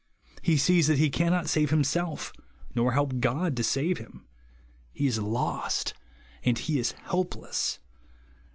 He sees that he cannot save him self; nor help God to save him. He is lost, and he is helpless.